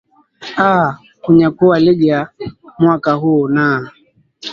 aa kunyakua ligi ya mwaka huu naa